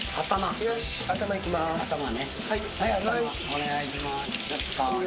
お願いします。